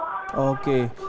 tadi ada yang mengatakan bahwa